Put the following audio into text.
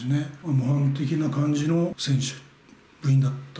模範的な感じの選手、部員だった。